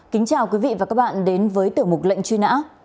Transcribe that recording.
kính chào quý vị và các bạn đến với tiểu mục lệnh truy nã